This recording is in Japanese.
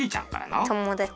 ともだち。